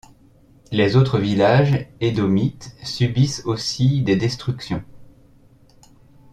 Les autres villages édomites subissent aussi des destructions.